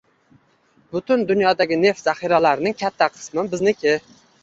Butun dunyodagi neft zaxiralarining katta qismi bizniki